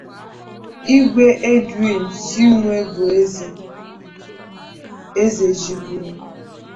Igwe Edwin Chinewubeze Ezejiburu